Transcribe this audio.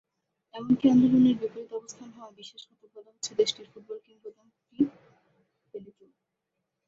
এমনকি আন্দোলনের বিপরীত অবস্থান হওয়ায় বিশ্বাসঘাতক বলা হচ্ছে দেশটির ফুটবল কিংবদন্তি পেলেকেও।